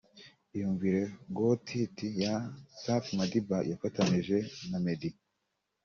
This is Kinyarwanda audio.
Iyumvire Got it ya Safi Madiba yafatanije na Meddy